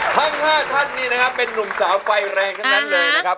ทั้ง๕ท่านนี้นะครับเป็นนุ่มสาวไฟแรงทั้งนั้นเลยนะครับ